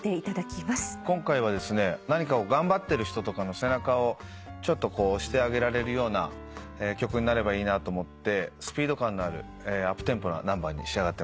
今回はですね何かを頑張ってる人とかの背中をちょっと押してあげられるような曲になればいいなと思ってスピード感のあるアップテンポなナンバーに仕上がってます。